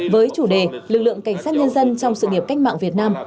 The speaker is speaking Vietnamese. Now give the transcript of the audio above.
với chủ đề lực lượng cảnh sát nhân dân trong sự nghiệp cách mạng việt nam